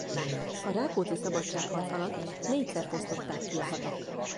A Rákóczi-szabadságharc alatt négyszer fosztották ki a hadak.